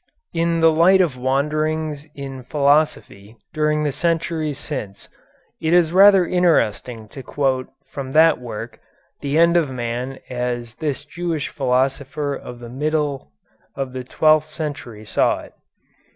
In the light of wanderings in philosophy during the centuries since, it is rather interesting to quote from that work the end of man as this Jewish philosopher of the middle of the twelfth century saw it.